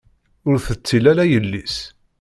Ur tettil ara yelli-s.